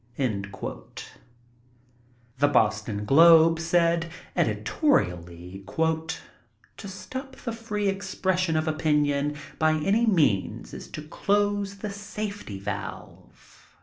*' The Boston Globe said, editorially: "To stop the free expression of opinion by any means is to close the safety valve.